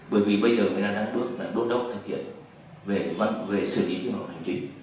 bởi vì bây giờ người ta đang bước đốt đốc thực hiện về xử lý vụ hoạt hành trình